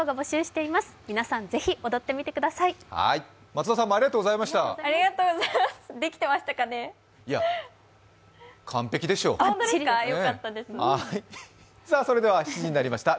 松田さんもありがとうございました。